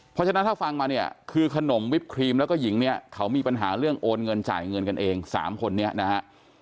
เพราะฉะนั้นถ้าฟังมาเนี่ยคือขนมวิปครีมแล้วก็หญิงเนี่ยเขามีปัญหาเรื่องโอนเงินจ่ายเงินกันเอง๓คนนี้นะฮะ